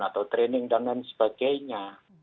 atau training dan lain sebagainya